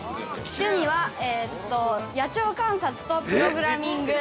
趣味は野鳥観察とプログラミング。